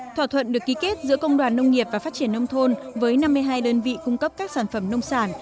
thỏa thuận được ký kết giữa công đoàn nông nghiệp và phát triển nông thôn với năm mươi hai đơn vị cung cấp các sản phẩm nông sản